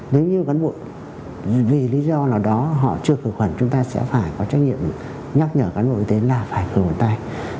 nếu như cán bộ vì lý do nào đó họ chưa khử khuẩn chúng ta sẽ phải có trách nhiệm nhắc nhở cán bộ y tế là phải khử khuẩn tay